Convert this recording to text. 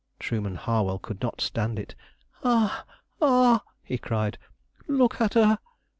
Trueman Harwell could not stand it. "Ah, ah!" he cried; "look at her!